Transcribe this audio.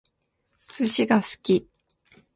寿司が好き